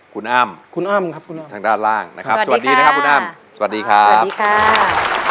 คุณอ้ำคุณอ้ำครับคุณอ้อมทางด้านล่างนะครับสวัสดีนะครับคุณอ้ำสวัสดีครับสวัสดีค่ะ